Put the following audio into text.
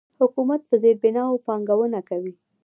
حکومت په زیربناوو پانګونه کوي.